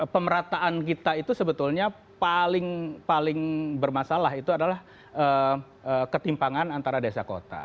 pemerataan kita itu sebetulnya paling bermasalah itu adalah ketimpangan antara desa kota